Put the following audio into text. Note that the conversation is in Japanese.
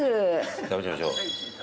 食べちゃいましょう。